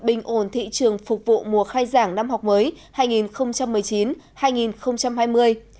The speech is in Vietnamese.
bình ổn thị trường phục vụ mùa khai giảng năm học mới hai nghìn một mươi chín hai nghìn hai mươi